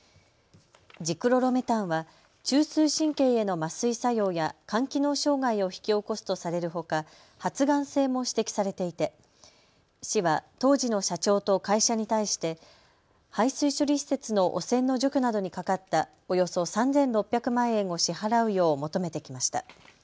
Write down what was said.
ジクロロメタンは中枢神経への麻酔作用や肝機能障害を引き起こすとされるほか発がん性も指摘されていて市は当時の社長と会社に対して排水処理施設の汚染の除去などにかかったおよそ３６００万円を支払うよう求めてきました。